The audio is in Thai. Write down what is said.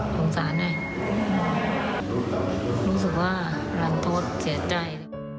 โทษสาวในรู้สึกว่ารันโทษเสียใจ